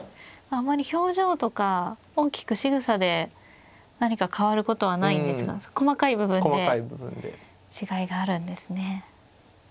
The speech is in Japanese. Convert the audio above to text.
あまり表情とか大きくしぐさで何か変わることはないんですが細かい部分で違いがあるんですね。